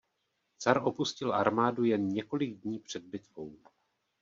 Car opustil armádu jen několik dní před bitvou.